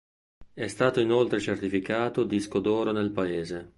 È stato inoltre certificato disco d'oro nel paese.